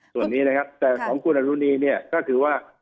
ส่วนนี้นะครับแต่ของคุณอรุณีเนี่ยก็คือว่า